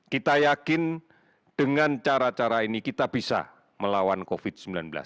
kita yakin dengan cara cara ini kita bisa melawan covid sembilan belas